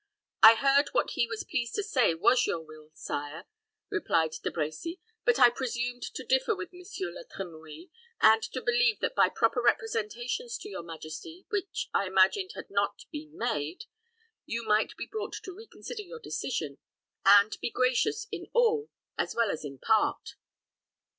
"I heard what he was pleased to say was your will, sire," replied De Brecy; "but I presumed to differ with Monsieur La Trimouille, and to believe that by proper representations to your majesty, which I imagined had not been made, you might be brought to reconsider your decision, and be gracious in all, as well as in part."